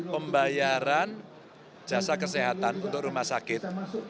pembayaran jasa kesehatan untuk rumah sakit